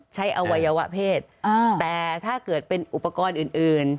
อวัยวะเพศแต่ถ้าเกิดเป็นอุปกรณ์อื่น